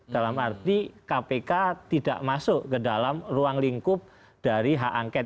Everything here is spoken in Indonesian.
dalam arti kpk tidak masuk ke dalam ruang lingkup dari hak angket